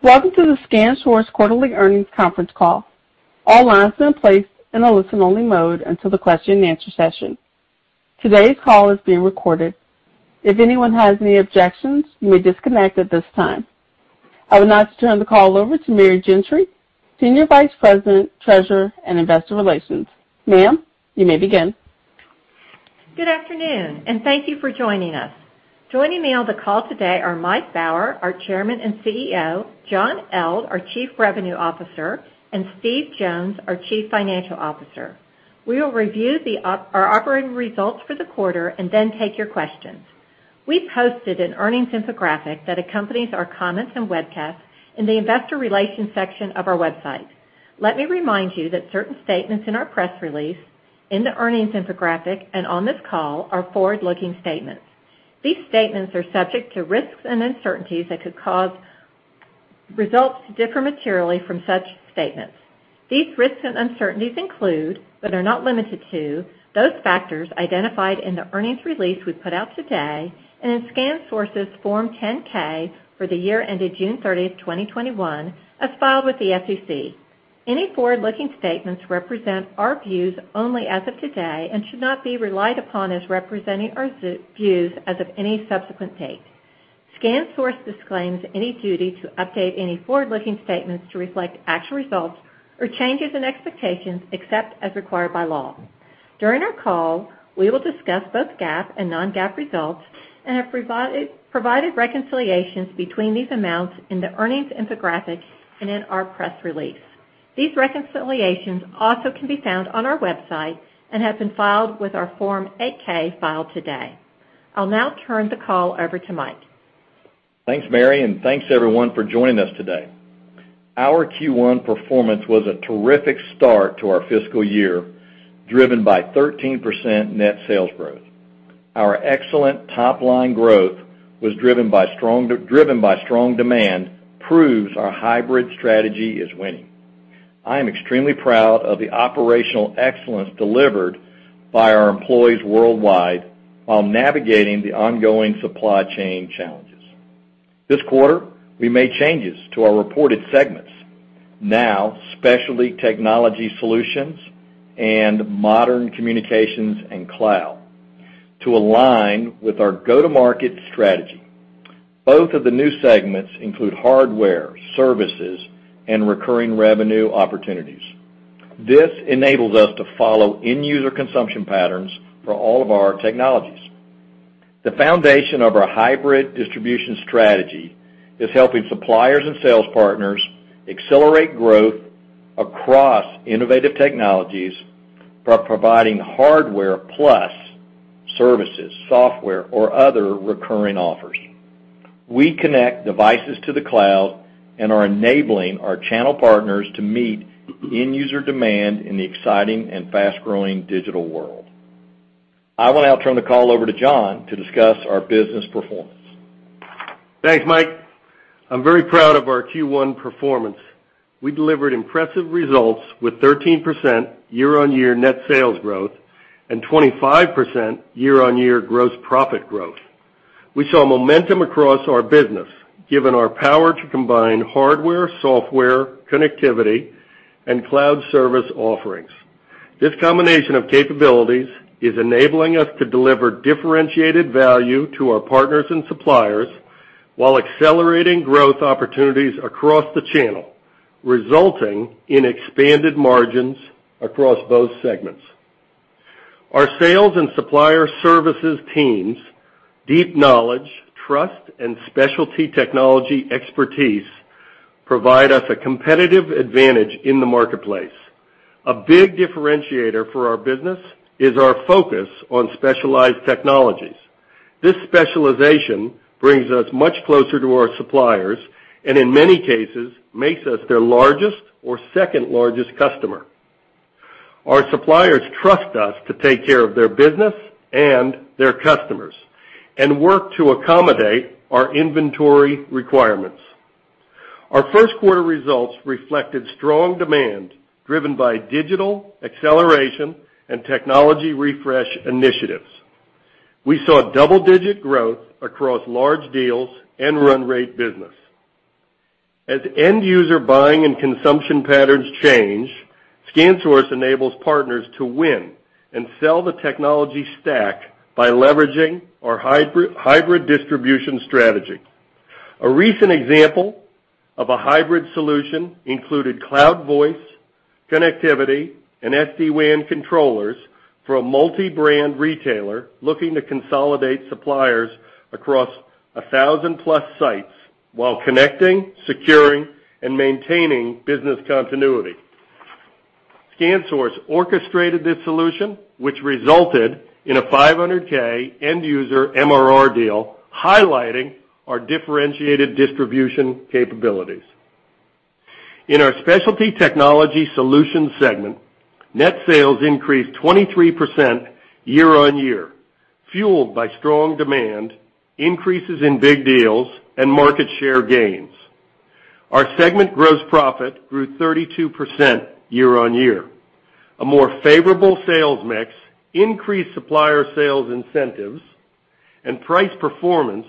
Welcome to the ScanSource quarterly earnings conference call. All lines are in place in a listen-only mode until the question-and-answer session. Today's call is being recorded. If anyone has any objections, you may disconnect at this time. I would now turn the call over to Mary Gentry, Senior Vice President, Treasurer, and Investor Relations. Ma'am, you may begin. Good afternoon, and thank you for joining us. Joining me on the call today are Mike Baur, our Chairman and CEO, John Eldh, our Chief Revenue Officer, and Steve Jones, our Chief Financial Officer. We will review our operating results for the quarter and then take your questions. We posted an earnings infographic that accompanies our comments and webcast in the Investor Relations section of our website. Let me remind you that certain statements in our press release, in the earnings infographic, and on this call are forward-looking statements. These statements are subject to risks and uncertainties that could cause results to differ materially from such statements. These risks and uncertainties include, but are not limited to, those factors identified in the earnings release we put out today and in ScanSource's Form 10-K for the year ended June 30, 2021, as filed with the SEC. Any forward-looking statements represent our views only as of today and should not be relied upon as representing our views as of any subsequent date. ScanSource disclaims any duty to update any forward-looking statements to reflect actual results or changes in expectations except as required by law. During our call, we will discuss both GAAP and non-GAAP results and have provided reconciliations between these amounts in the earnings infographic and in our press release. These reconciliations also can be found on our website and have been filed with our Form 8-K filed today. I'll now turn the call over to Mike. Thanks, Mary, and thanks everyone for joining us today. Our Q1 performance was a terrific start to our fiscal year, driven by 13% net sales growth. Our excellent top-line growth was driven by strong demand. This proves our hybrid strategy is winning. I am extremely proud of the operational excellence delivered by our employees worldwide while navigating the ongoing supply chain challenges. This quarter, we made changes to our reported segments, now Specialty Technology Solutions and Modern Communications and Cloud, to align with our go-to-market strategy. Both of the new segments include hardware, services, and recurring revenue opportunities. This enables us to follow end user consumption patterns for all of our technologies. The foundation of our hybrid distribution strategy is helping suppliers and sales partners accelerate growth across innovative technologies by providing hardware plus services, software, or other recurring offers. We connect devices to the cloud and are enabling our channel partners to meet end user demand in the exciting and fast-growing digital world. I will now turn the call over to John to discuss our business performance. Thanks, Mike. I'm very proud of our Q1 performance. We delivered impressive results with 13% year-on-year net sales growth and 25% year-on-year gross profit growth. We saw momentum across our business given our power to combine hardware, software, connectivity, and cloud service offerings. This combination of capabilities is enabling us to deliver differentiated value to our partners and suppliers while accelerating growth opportunities across the channel, resulting in expanded margins across those segments. Our sales and supplier services teams' deep knowledge, trust, and specialty technology expertise provide us a competitive advantage in the marketplace. A big differentiator for our business is our focus on specialized technologies. This specialization brings us much closer to our suppliers, and in many cases, makes us their largest or second-largest customer. Our suppliers trust us to take care of their business and their customers and work to accommodate our inventory requirements. Our first quarter results reflected strong demand driven by digital acceleration and technology refresh initiatives. We saw double-digit growth across large deals and run rate business. As end user buying and consumption patterns change, ScanSource enables partners to win and sell the technology stack by leveraging our hybrid distribution strategy. A recent example of a hybrid solution included cloud voice, connectivity, and SD-WAN controllers for a multi-brand retailer looking to consolidate suppliers across 1,000+ sites while connecting, securing, and maintaining business continuity. ScanSource orchestrated this solution, which resulted in a $500K end user MRR deal, highlighting our differentiated distribution capabilities. In our Specialty Technology Solutions segment, net sales increased 23% year-over-year, fueled by strong demand, increases in big deals, and market share gains. Our segment gross profit grew 32% year-on-year. A more favorable sales mix, increased supplier sales incentives, and price performance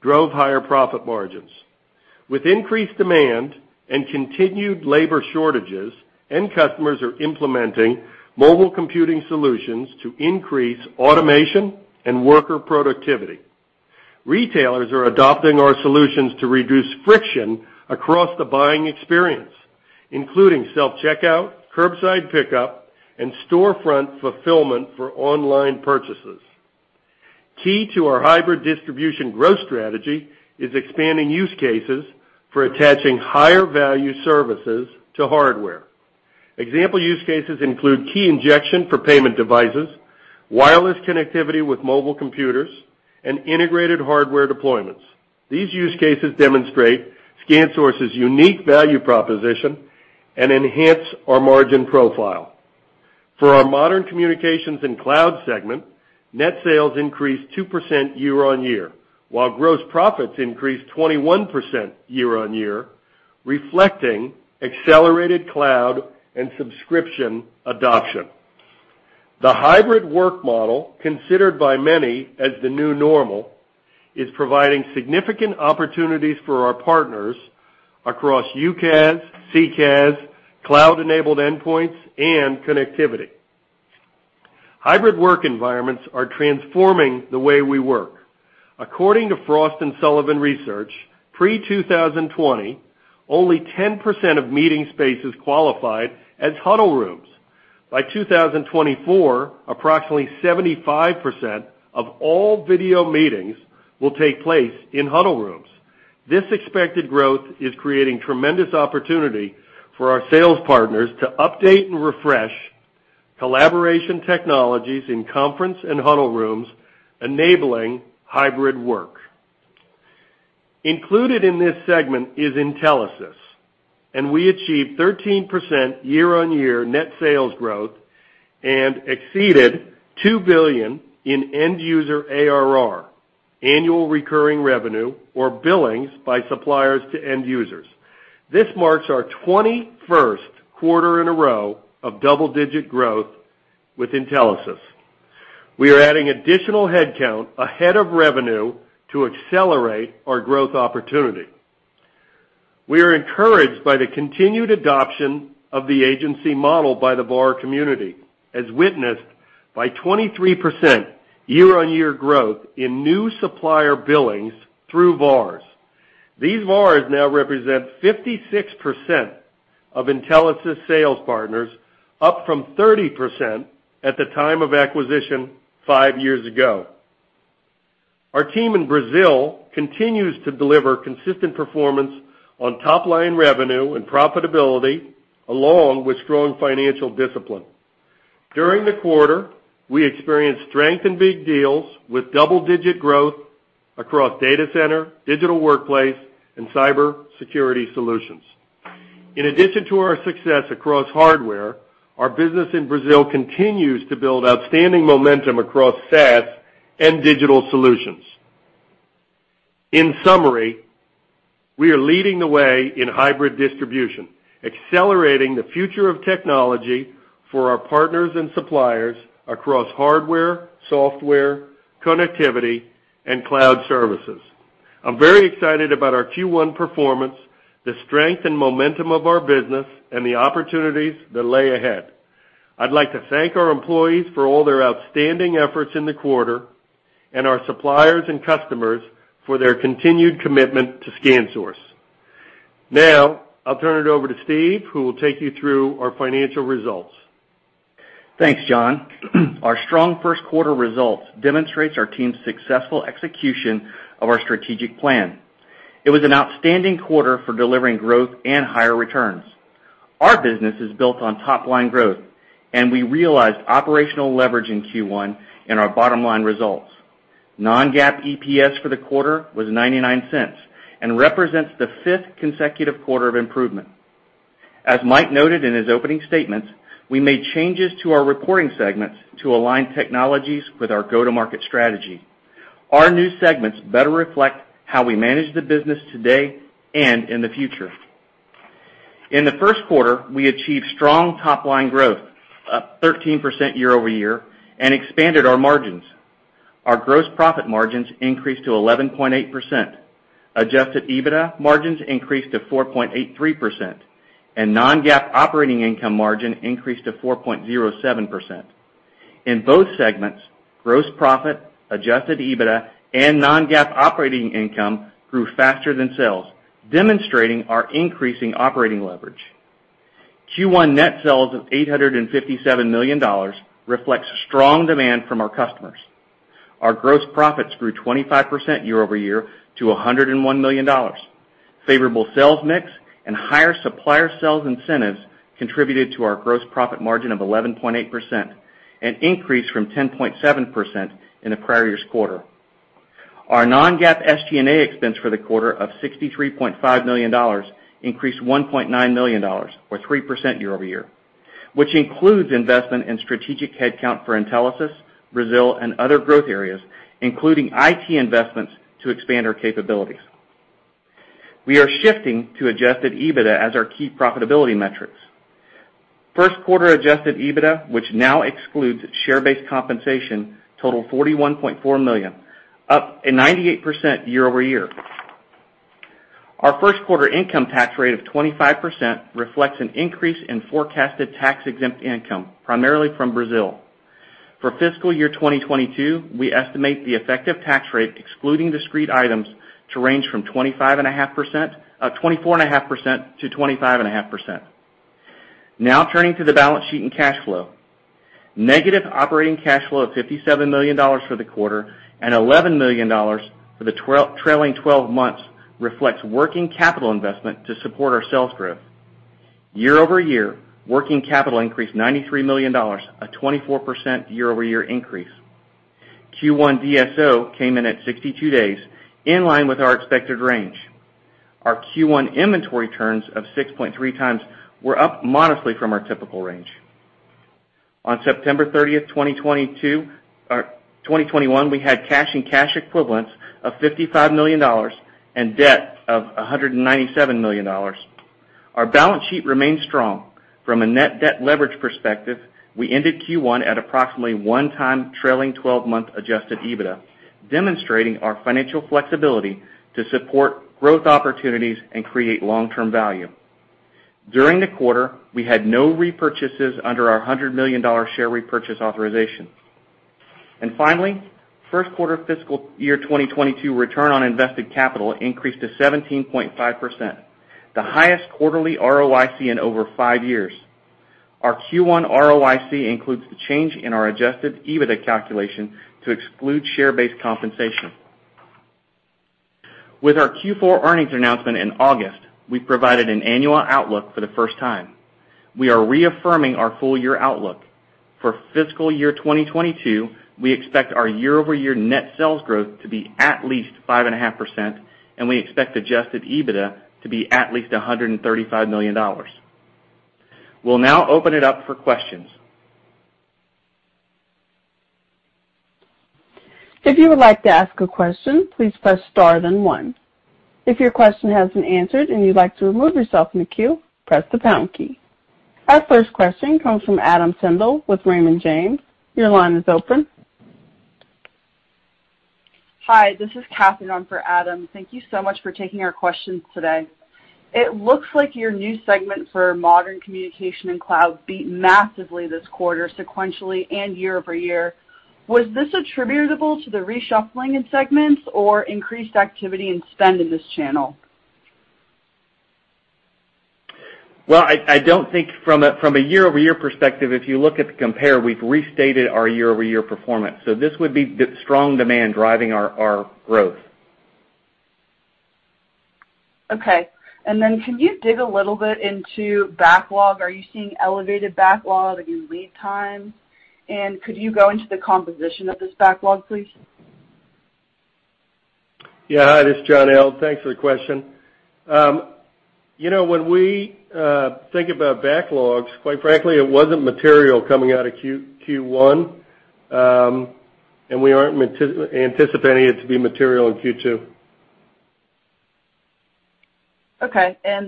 drove higher profit margins. With increased demand and continued labor shortages, end customers are implementing mobile computing solutions to increase automation and worker productivity. Retailers are adopting our solutions to reduce friction across the buying experience, including self-checkout, curbside pickup, and storefront fulfillment for online purchases. Key to our hybrid distribution growth strategy is expanding use cases for attaching higher value services to hardware. Example use cases include key injection for payment devices, wireless connectivity with mobile computers, and integrated hardware deployments. These use cases demonstrate ScanSource's unique value proposition and enhance our margin profile. For our Modern Communications and Cloud segment, net sales increased 2% year-on-year, while gross profits increased 21% year-on-year, reflecting accelerated cloud and subscription adoption. The hybrid work model, considered by many as the new normal, is providing significant opportunities for our partners across UCaaS, CCaaS, cloud-enabled endpoints, and connectivity. Hybrid work environments are transforming the way we work. According to Frost & Sullivan research, pre-2020, only 10% of meeting spaces qualified as huddle rooms. By 2024, approximately 75% of all video meetings will take place in huddle rooms. This expected growth is creating tremendous opportunity for our sales partners to update and refresh collaboration technologies in conference and huddle rooms, enabling hybrid work. Included in this segment is Intelisys, and we achieved 13% year-on-year net sales growth and exceeded $2 billion in end user ARR, annual recurring revenue, or billings by suppliers to end users. This marks our 21st quarter in a row of double-digit growth with Intelisys. We are adding additional headcount ahead of revenue to accelerate our growth opportunity. We are encouraged by the continued adoption of the agency model by the VAR community, as witnessed by 23% year-on-year growth in new supplier billings through VARs. These VARs now represent 56% of Intelisys sales partners, up from 30% at the time of acquisition 5 years ago. Our team in Brazil continues to deliver consistent performance on top line revenue and profitability along with strong financial discipline. During the quarter, we experienced strength in big deals with double-digit growth across data center, digital workplace, and cyber security solutions. In addition to our success across hardware, our business in Brazil continues to build outstanding momentum across SaaS and digital solutions. In summary, we are leading the way in hybrid distribution, accelerating the future of technology for our partners and suppliers across hardware, software, connectivity, and cloud services. I'm very excited about our Q1 performance, the strength and momentum of our business, and the opportunities that lay ahead. I'd like to thank our employees for all their outstanding efforts in the quarter, and our suppliers and customers for their continued commitment to ScanSource. Now, I'll turn it over to Steve, who will take you through our financial results. Thanks, John. Our strong first quarter results demonstrates our team's successful execution of our strategic plan. It was an outstanding quarter for delivering growth and higher returns. Our business is built on top line growth, and we realized operational leverage in Q1 in our bottom line results. Non-GAAP EPS for the quarter was $0.99 and represents the fifth consecutive quarter of improvement. As Mike noted in his opening statements, we made changes to our reporting segments to align technologies with our go-to-market strategy. Our new segments better reflect how we manage the business today and in the future. In the first quarter, we achieved strong top line growth, up 13% year-over-year, and expanded our margins. Our gross profit margins increased to 11.8%. Adjusted EBITDA margins increased to 4.83%, and non-GAAP operating income margin increased to 4.07%. In both segments, gross profit, adjusted EBITDA, and non-GAAP operating income grew faster than sales, demonstrating our increasing operating leverage. Q1 net sales of $857 million reflects strong demand from our customers. Our gross profits grew 25% year-over-year to $101 million. Favorable sales mix and higher supplier sales incentives contributed to our gross profit margin of 11.8%, an increase from 10.7% in the prior year's quarter. Our non-GAAP SG&A expense for the quarter of $63.5 million increased $1.9 million, or 3% year-over-year, which includes investment in strategic headcount for Intelisys, Brazil, and other growth areas, including IT investments to expand our capabilities. We are shifting to adjusted EBITDA as our key profitability metrics. First quarter adjusted EBITDA, which now excludes share-based compensation, totaled $41.4 million, up 98% year over year. Our first quarter income tax rate of 25% reflects an increase in forecasted tax-exempt income, primarily from Brazil. For fiscal year 2022, we estimate the effective tax rate, excluding discrete items, to range from 24.5%-25.5%. Now turning to the balance sheet and cash flow. Negative operating cash flow of $57 million for the quarter and $11 million for the trailing twelve months reflects working capital investment to support our sales growth. Year over year, working capital increased $93 million, a 24% year over year increase. Q1 DSO came in at 62 days, in line with our expected range. Our Q1 inventory turns of 6.3x were up modestly from our typical range. On September 30, 2021, we had cash and cash equivalents of $55 million and debt of $197 million. Our balance sheet remains strong. From a net debt leverage perspective, we ended Q1 at approximately 1x trailing twelve-month adjusted EBITDA, demonstrating our financial flexibility to support growth opportunities and create long-term value. During the quarter, we had no repurchases under our $100 million share repurchase authorization. Finally, first quarter fiscal year 2022 return on invested capital increased to 17.5%, the highest quarterly ROIC in over 5 years. Our Q1 ROIC includes the change in our adjusted EBITDA calculation to exclude share-based compensation. With our Q4 earnings announcement in August, we provided an annual outlook for the first time. We are reaffirming our full year outlook. For fiscal year 2022, we expect our year-over-year net sales growth to be at least 5.5%, and we expect adjusted EBITDA to be at least $135 million. We'll now open it up for questions. If you would like to ask a question, please press star then one. If your question has been answered and you'd like to remove yourself from the queue, press the pound key. Our first question comes from Adam Tindle with Raymond James. Your line is open. Hi, this is Catherine on for Adam. Thank you so much for taking our questions today. It looks like your new segment for Modern Communications and Cloud beat massively this quarter, sequentially and year over year. Was this attributable to the reshuffling in segments or increased activity and spend in this channel? Well, I don't think from a year-over-year perspective, if you look at the comp, we've restated our year-over-year performance. This would be the strong demand driving our growth. Okay. Can you dig a little bit into backlog? Are you seeing elevated backlog and in lead times? Could you go into the composition of this backlog, please? Yeah. Hi, this is John Eldh. Thanks for the question. You know, when we think about backlogs, quite frankly, it wasn't material coming out of Q1, and we aren't anticipating it to be material in Q2. Okay.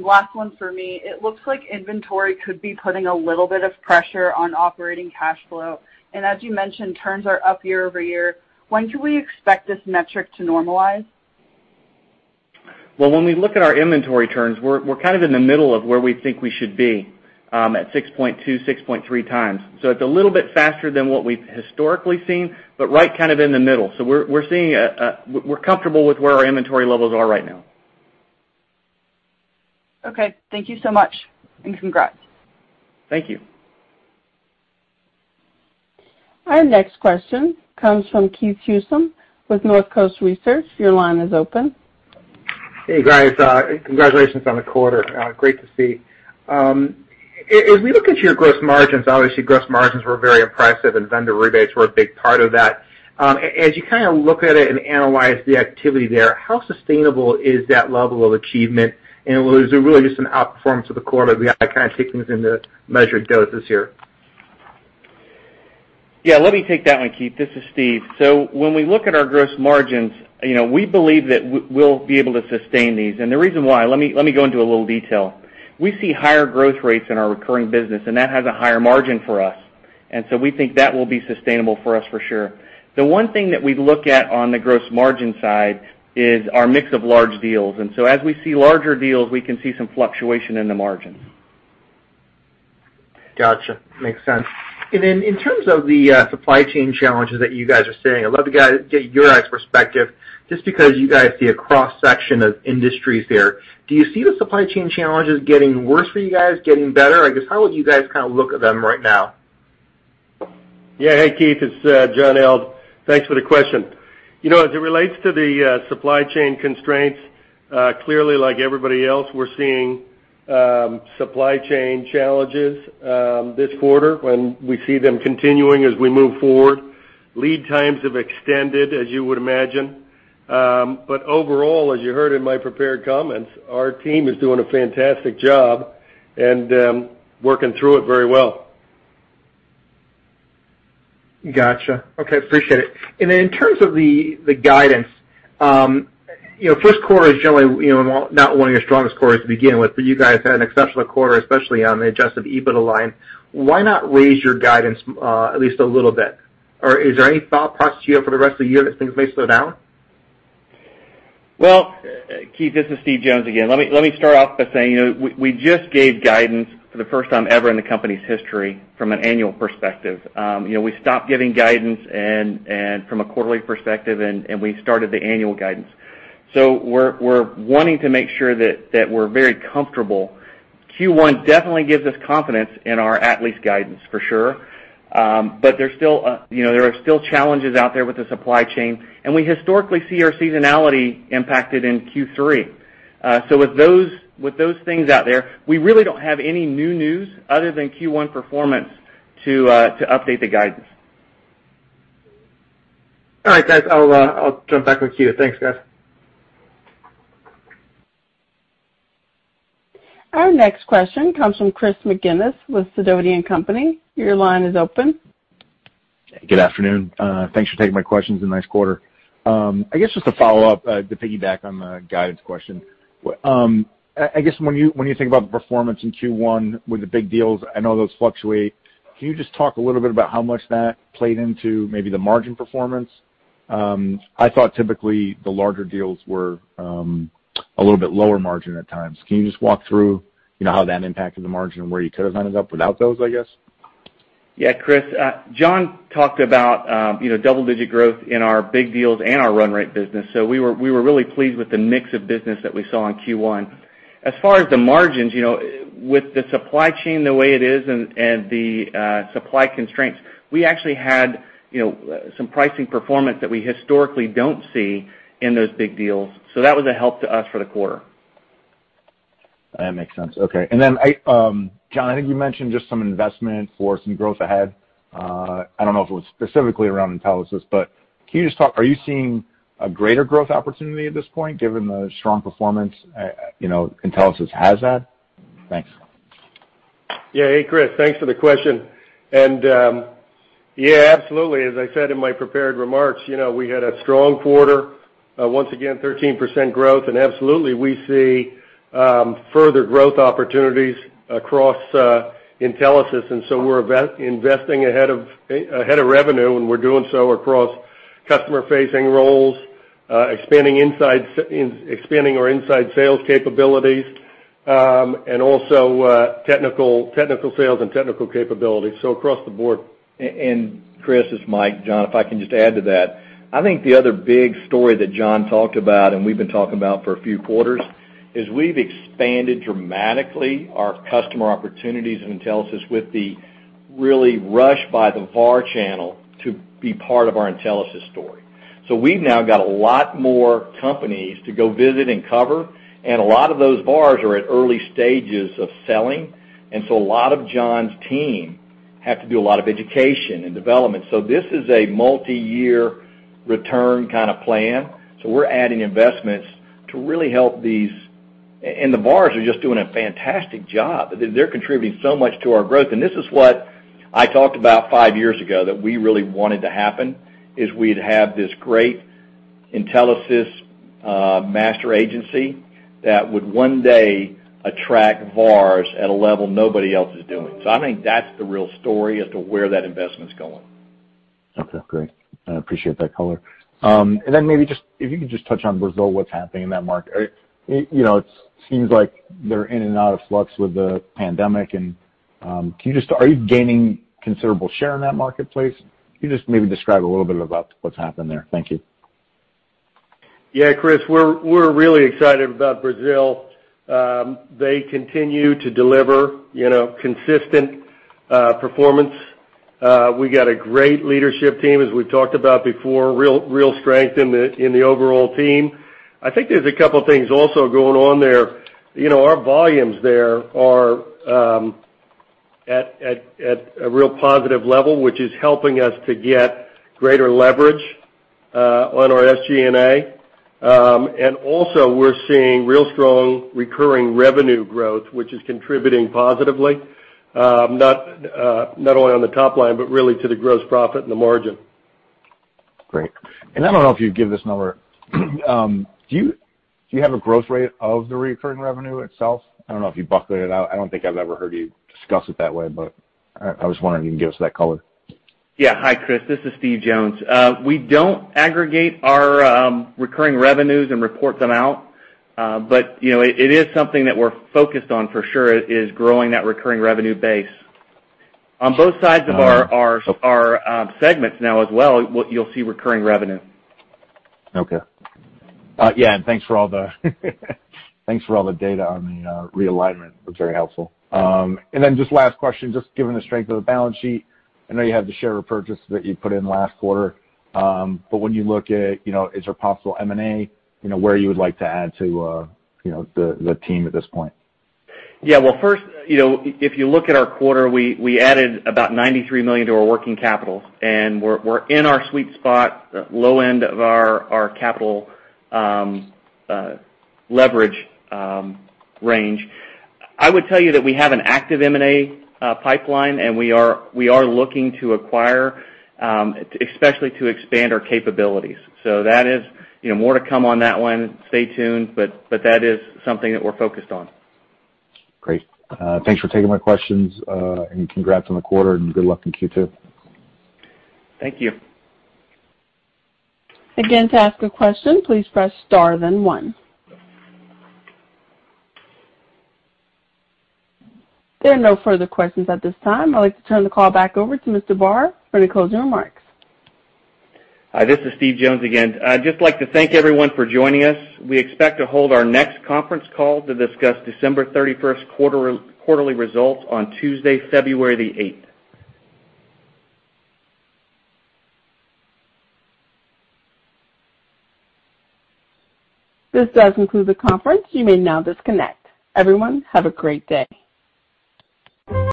Last one for me. It looks like inventory could be putting a little bit of pressure on operating cash flow. As you mentioned, turns are up year over year. When should we expect this metric to normalize? Well, when we look at our inventory turns, we're kind of in the middle of where we think we should be at 6.2x-6.3x. It's a little bit faster than what we've historically seen, but right kind of in the middle. We're comfortable with where our inventory levels are right now. Okay. Thank you so much, and congrats. Thank you. Our next question comes from Keith Housum with Northcoast Research. Your line is open. Hey, guys. Congratulations on the quarter. Great to see. If we look at your gross margins, obviously gross margins were very impressive and vendor rebates were a big part of that. As you kind of look at it and analyze the activity there, how sustainable is that level of achievement? Was it really just an outperformance for the quarter, but we ought to kind of take things into measured doses here? Yeah, let me take that one, Keith. This is Steve. When we look at our gross margins, you know, we believe that we'll be able to sustain these. The reason why, let me go into a little detail. We see higher growth rates in our recurring business, and that has a higher margin for us. We think that will be sustainable for us for sure. The one thing that we look at on the gross margin side is our mix of large deals. As we see larger deals, we can see some fluctuation in the margins. Gotcha. Makes sense. In terms of the supply chain challenges that you guys are seeing, I'd love to get your guys' perspective just because you guys see a cross-section of industries there. Do you see the supply chain challenges getting worse for you guys, getting better? I guess, how would you guys kind of look at them right now? Yeah. Hey, Keith. It's John Eldh. Thanks for the question. You know, as it relates to the supply chain constraints, clearly, like everybody else, we're seeing supply chain challenges this quarter, and we see them continuing as we move forward. Lead times have extended, as you would imagine. Overall, as you heard in my prepared comments, our team is doing a fantastic job and working through it very well. Gotcha. Okay. Appreciate it. Then in terms of the guidance, you know, first quarter is generally, you know, not one of your strongest quarters to begin with, but you guys had an exceptional quarter, especially on the adjusted EBITDA line. Why not raise your guidance, at least a little bit? Or is there any thought process you have for the rest of the year that things may slow down? Well, Keith, this is Steve Jones again. Let me start off by saying, you know, we just gave guidance for the first time ever in the company's history from an annual perspective. You know, we stopped giving guidance and from a quarterly perspective and we started the annual guidance. We're wanting to make sure that we're very comfortable. Q1 definitely gives us confidence in our annual guidance for sure. There's still, you know, there are still challenges out there with the supply chain, and we historically see our seasonality impacted in Q3. With those things out there, we really don't have any new news other than Q1 performance to update the guidance. All right, guys, I'll jump back with you. Thanks, guys. Our next question comes from Chris McGinnis with Sidoti & Company. Your line is open. Good afternoon. Thanks for taking my questions, and nice quarter. I guess just to follow up, to piggyback on the guidance question. I guess when you think about the performance in Q1 with the big deals, I know those fluctuate. Can you just talk a little bit about how much that played into maybe the margin performance? I thought typically the larger deals were a little bit lower margin at times. Can you just walk through, you know, how that impacted the margin and where you could have ended up without those, I guess? Yeah, Chris, John talked about, you know, double-digit growth in our big deals and our run rate business. We were really pleased with the mix of business that we saw in Q1. As far as the margins, you know, with the supply chain the way it is and the supply constraints, we actually had, you know, some pricing performance that we historically don't see in those big deals. That was a help to us for the quarter. That makes sense. Okay. John, I think you mentioned just some investment for some growth ahead. I don't know if it was specifically around Intelisys, but are you seeing a greater growth opportunity at this point, given the strong performance, you know, Intelisys has had? Thanks. Yeah. Hey, Chris. Thanks for the question. Yeah, absolutely. As I said in my prepared remarks, you know, we had a strong quarter. Once again, 13% growth, and absolutely we see further growth opportunities across Intelisys, and so we're investing ahead of revenue, and we're doing so across customer-facing roles, expanding our inside sales capabilities, and also technical sales and technical capabilities, so across the board. Chris, it's Mike. John, if I can just add to that. I think the other big story that John talked about and we've been talking about for a few quarters is we've expanded dramatically our customer opportunities in Intelisys with the real rush by the VAR channel to be part of our Intelisys story. We've now got a lot more companies to go visit and cover, and a lot of those VARs are at early stages of selling. A lot of John's team have to do a lot of education and development. This is a multi-year return kind of plan. We're adding investments to really help these VARs. They're contributing so much to our growth. This is what I talked about five years ago that we really wanted to happen, is we'd have this great Intelisys master agency that would one day attract VARs at a level nobody else is doing. I think that's the real story as to where that investment's going. Okay. Great. I appreciate that color. Maybe just, if you could just touch on Brazil, what's happening in that market. You know, it seems like they're in and out of flux with the pandemic, and are you gaining considerable share in that marketplace? Can you just maybe describe a little bit about what's happened there? Thank you. Yeah, Chris, we're really excited about Brazil. They continue to deliver, you know, consistent performance. We got a great leadership team, as we've talked about before. Real strength in the overall team. I think there's a couple things also going on there. You know, our volumes there are at a real positive level, which is helping us to get greater leverage on our SG&A. We're seeing real strong recurring revenue growth, which is contributing positively, not only on the top line, but really to the gross profit and the margin. Great. I don't know if you give this number. Do you have a growth rate of the recurring revenue itself? I don't know if you bucket it out. I don't think I've ever heard you discuss it that way, but I was wondering if you can give us that color. Yeah. Hi, Chris. This is Steve Jones. We don't aggregate our recurring revenues and report them out. You know, it is something that we're focused on for sure is growing that recurring revenue base. On both sides of our- Um- Our segments now as well, what you'll see recurring revenue. Okay. Yeah, thanks for all the data on the realignment. It was very helpful. Just last question, just given the strength of the balance sheet, I know you have the share repurchase that you put in last quarter, but when you look at, you know, is there possible M&A, you know, where you would like to add to, you know, the team at this point? Yeah. Well, first, you know, if you look at our quarter, we added about $93 million to our working capital, and we're in our sweet spot, low end of our capital leverage range. I would tell you that we have an active M&A pipeline, and we are looking to acquire, especially to expand our capabilities. That is, you know, more to come on that one. Stay tuned, but that is something that we're focused on. Great. Thanks for taking my questions, and congrats on the quarter and good luck in Q2. Thank you. Again, to ask a question, please press star then one. There are no further questions at this time. I'd like to turn the call back over to Mr. Baur for any closing remarks. This is Steve Jones again. I'd just like to thank everyone for joining us. We expect to hold our next conference call to discuss December 31 quarterly results on Tuesday, February 8. This does conclude the conference. You may now disconnect. Everyone, have a great day.